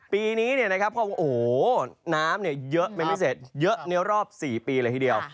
ก็คือนี้นะครับล่ะน้ำเนี่ย